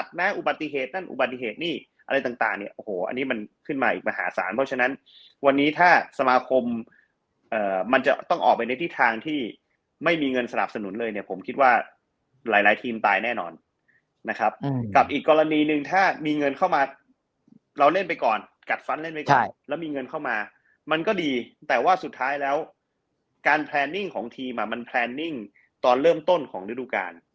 ขึ้นมาอีกมหาศาลเพราะฉะนั้นวันนี้ถ้าสมาคมมันจะต้องออกไปในที่ทางที่ไม่มีเงินสนับสนุนเลยเนี่ยผมคิดว่าหลายทีมตายแน่นอนนะครับกับอีกกรณีหนึ่งถ้ามีเงินเข้ามาเราเล่นไปก่อนกัดฟันเล่นไปก่อนแล้วมีเงินเข้ามามันก็ดีแต่ว่าสุดท้ายแล้วการแพลนนิ่งของทีมมันแพลนนิ่งตอนเริ่มต้นของฤดู